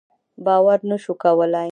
باور نه شو کولای.